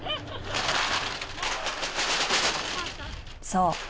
［そう。